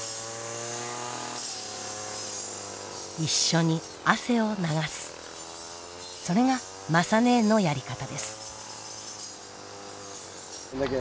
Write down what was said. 一緒に汗を流すそれが雅ねえのやり方です。